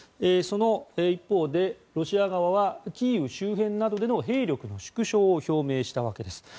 その一方で、ロシア側はキーウ周辺などでの兵力縮小を表明したわけです。